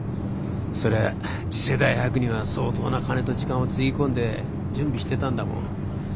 そりゃあ次世代博には相当な金と時間をつぎ込んで準備してたんだもん。